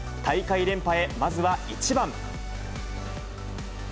大会連覇へ、まずは１番。